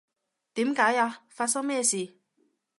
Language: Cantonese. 點解呀？發生咩事？